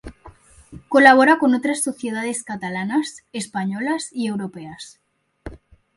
Colabora con otras sociedades catalanas, españolas y europeas.